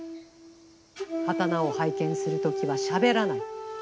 刀を拝見するときはしゃべらない。